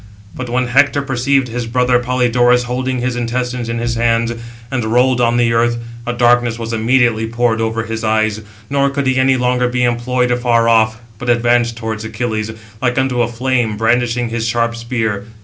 But when Hector perceived his brother Polydorus holding his intestines in his hands, and rolled on the earth, a darkness was immediately poured over his eyes, nor could he any longer be employed afar off, but advanced towards Achilles, like unto a flame, brandishing his sharp spear.